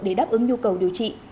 để đáp ứng nhu cầu điều trị